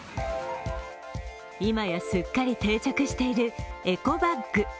今やすっかり定着しているエコバッグ。